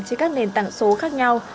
trên các nền tảng số khác nhau